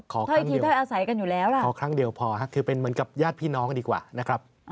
ขอครั้งเดียวขอครั้งเดียวพอครับคือเป็นเหมือนกับญาติพี่น้องดีกว่านะครับ